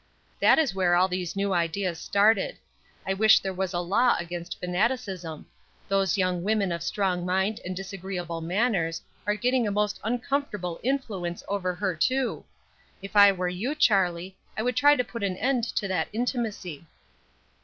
"That is where all these new ideas started. I wish there was a law against fanaticism. Those young women of strong mind and disagreeable manners are getting a most uncomfortable influence over her, too. If I were you, Charlie, I would try to put an end to that intimacy."